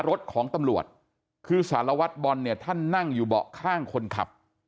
รถของตำรวจคือสารวัตรบอลเนี่ยท่านนั่งอยู่เบาะข้างคนขับ